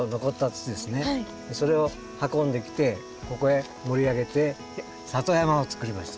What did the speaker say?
それを運んできてここへ盛り上げて里山をつくりました。